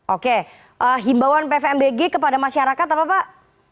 oke himbauan pvmbg kepada masyarakat apa pak